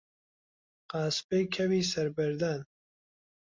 قاسپەی کەوی سەر بەردان